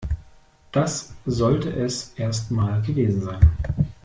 Das sollte es erst mal gewesen sein.